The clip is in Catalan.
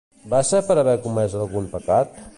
Va ser per haver comès algun pecat?